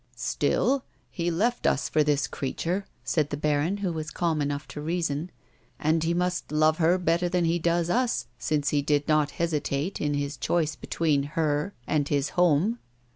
" Still he left us for this creature," said the baron, who was calm enough to reason ;" and he must love her better than he does us, since he did not hesitate in his choice be tween her and his home."